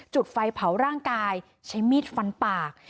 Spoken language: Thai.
จุดไฟเผาร่างกายใช้มีดฟันปาก